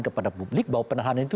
kepada publik bahwa penahanan itu